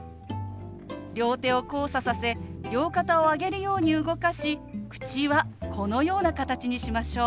両手を交差させ両肩を上げるように動かし口はこのような形にしましょう。